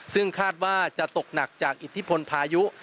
ซึ่งคาดว่าจะตกหนักจากอิทธิพลพายุ